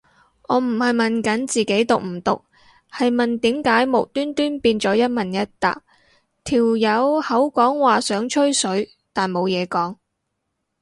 我唔係問緊自己毒唔毒，係問點解無端端變咗一問一答，條友口講話想吹水但冇嘢講